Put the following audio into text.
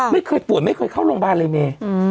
ไม่เคยป่วยไม่เคยเข้าโรงพยาบาลเลยเนี่ย